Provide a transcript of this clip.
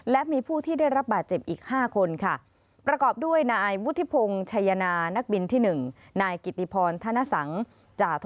และมีผู้ที่ได้รับบาดเจ็บอีก๕คนค่ะ